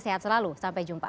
sehat selalu sampai jumpa